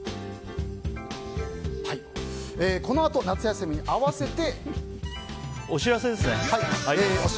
このあと夏休みに合わせて。